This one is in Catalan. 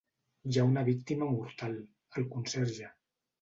Hi ha una víctima mortal, el conserge.